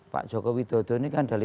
pak jokowi dodo ini kan dari